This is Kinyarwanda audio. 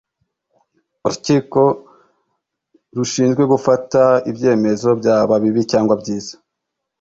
Urkiko rushinzwe gufata ibyemezo byaba bibi cyangwa byiza